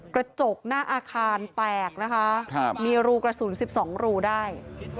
กระจกหน้าอาคารแตกนะคะมีรูกระสุน๑๒รูได้